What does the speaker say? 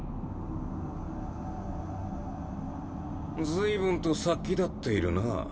随分と殺気立っているなぁ。